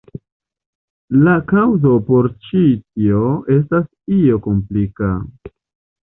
La kaŭzo por ĉi tio estas io komplika.